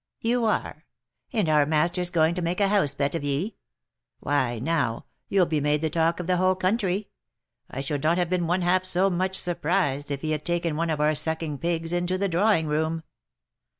" You are ? and our master's going to make a house pet of ye? Why, now, you'll be made the talk of the whole country. I should not have been one half so much surprised if he had taken one of our sucking pigs into the drawing room."